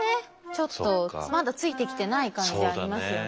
ちょっとまだついてきてない感じありますよね。